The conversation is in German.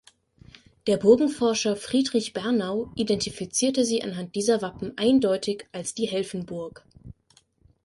Der Burgenforscher Friedrich Bernau identifizierte sie anhand dieser Wappen eindeutig als die Helfenburg.